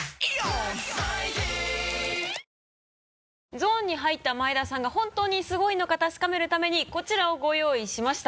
ゾーンに入った前田さんが本当にすごいのか確かめるためにこちらをご用意しました。